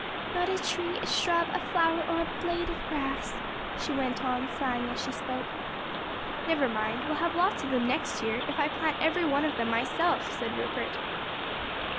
"Not a tree, a shrub, a flower or a blade of grass!" she went on, sighing as she spoke. "Never mind, we'll have lots of them next year, if I plant every one myself," said Rupert.